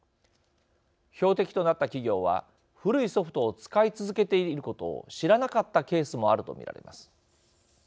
標的となった企業は古いソフトを使い続けていることを知らなかったケースもあると見られます。